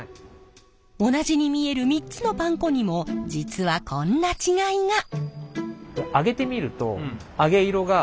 同じに見える３つのパン粉にも実はこんな違いが！へえ。